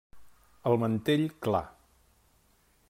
El mantell clar.